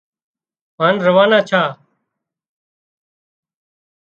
هانَ روانا ڇا